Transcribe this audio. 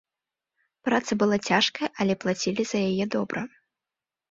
Праца была цяжкая, але плацілі за яе добра.